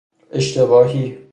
اشتباهی